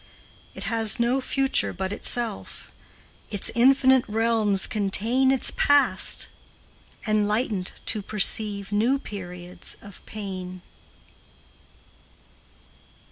It has no future but itself, Its infinite realms contain Its past, enlightened to perceive New periods of pain.